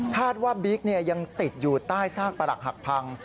ว่าบิ๊กยังติดอยู่ใต้ซากประหลักหักพัง